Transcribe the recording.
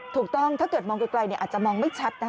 ถูกต้องถ้าเกิดมองไกลเนี้ยอาจจะมองไม่ชัดนะฮะ